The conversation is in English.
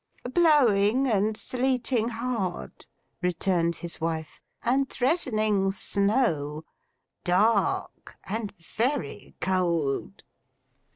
'Blowing and sleeting hard,' returned his wife; 'and threatening snow. Dark. And very cold.